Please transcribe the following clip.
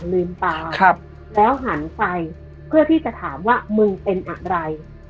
ลืมตาแล้วหันไปเพื่อที่จะถามว่ามึงเป็นอะไร